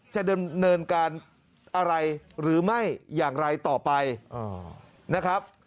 จะดำเนินการอะไรหรือไม่อย่างไรต่อไปนะครับ